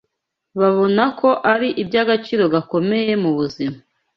babona ko ari iby’agaciro gakomeye mu buzima